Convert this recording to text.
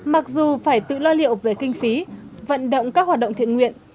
mặc dù phải tự lo liệu về kinh phí vận động các hoạt động thiện nguyện